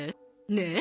ねえ？